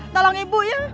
tolong ibu ya